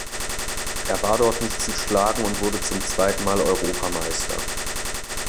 Er war dort nicht zu schlagen und wurde zum zweiten Mal Europameister.